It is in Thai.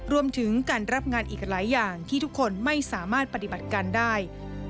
รวมถึงการรับงานอีกหลายอย่างที่ทุกคนไม่สามารถปฏิบัติการได้